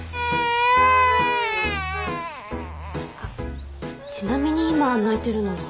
あっちなみに今泣いてるのは？